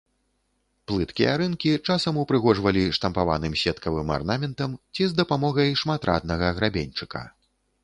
Плыткія рынкі часам упрыгожвалі штампаваным сеткавым арнаментам ці з дапамогай шматраднага грабеньчыка.